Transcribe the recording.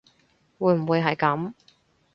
會唔會係噉